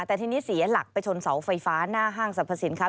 แต่ทีนี้เสียหลักไปชนเสาไฟฟ้าหน้าห้างสรรพสินค้า